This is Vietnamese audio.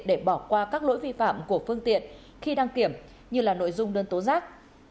để bỏ qua các lỗi vi phạm của phương tiện khi đăng kiểm như nội dung đơn tố giác